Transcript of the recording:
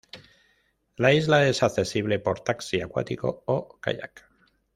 La isla es accesible por taxi acuático o kayak.